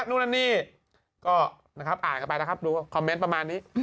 นู่นนั่นนี่ก็นะครับอ่านกันไปนะครับดูคอมเมนต์ประมาณนี้